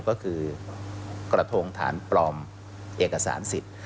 ก็คือกระทงฐานปลอมเอกสารสิทธิ์